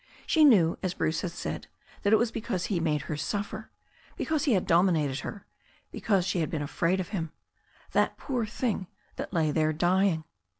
She knew, as Bruce had said, that it was because he had made her suffer, because he had dominated her, because she had been afraid of him — ^that poor thing that lay there dying.